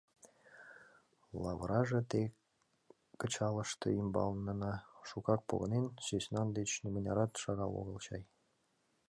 Лавыраже ты кечылаште ӱмбалнына шукак погынен, сӧснан деч нимынярат шагал огыл чай.